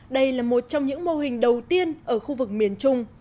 đây là một trong những mô hình đầu tiên ở khu vực miền trung